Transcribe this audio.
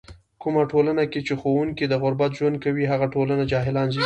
کومه ټولنه کې چې ښوونکی د غربت ژوند کوي، هغه ټولنه جاهلان زږوي.